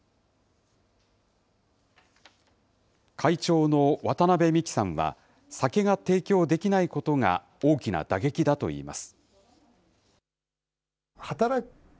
会長の渡邉美樹さんは、酒が提供できないことが大きな打撃だと言います。